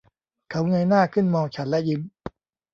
เขาเงยหน้าขึ้นมองฉันและยิ้ม